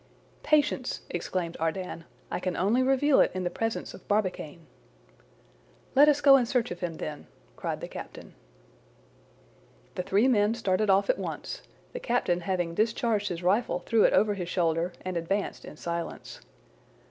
"Patience!" exclaimed Ardan. "I can only reveal it in the presence of Barbicane." "Let us go in search of him then!" cried the captain. The three men started off at once; the captain having discharged his rifle threw it over his shoulder, and advanced in silence.